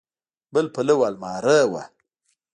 بل پلو المارۍ وه.